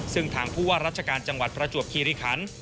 ซึ่งทางผู้ว่าราชการจังหวัดประจวบคีริคัน